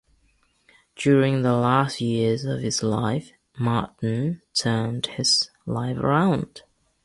During the last years of his life, Martin turned his life around.